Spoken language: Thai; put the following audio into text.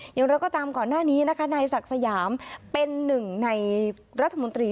อย่างไรก็ตามก่อนหน้านี้นะคะนายศักดิ์สยามเป็นหนึ่งในรัฐมนตรี